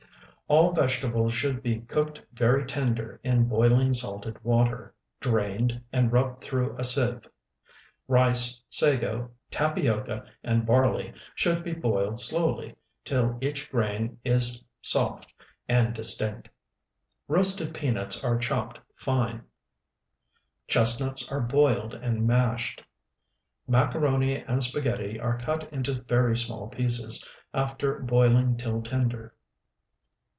All vegetables should be cooked very tender in boiling salted water, drained, and rubbed through a sieve. Rice, sago, tapioca, and barley should be boiled slowly till each grain is soft and distinct. Roasted peanuts are chopped fine; chestnuts are boiled and mashed; macaroni and spaghetti are cut into very small pieces, after boiling till tender.